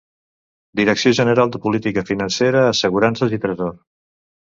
Direcció General de Política Financera, Assegurances i Tresor.